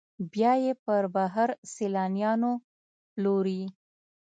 بیا یې پر بهر سیلانیانو پلوري.